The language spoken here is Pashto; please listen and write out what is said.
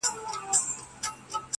ددې سايه به ،پر تا خوره سي.